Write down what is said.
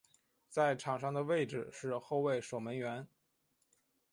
在场上的位置是后卫守门员。